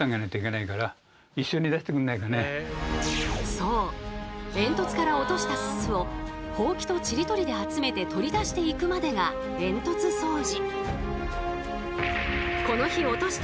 そう煙突から落としたススをホウキとちり取りで集めて取り出していくまでが煙突掃除。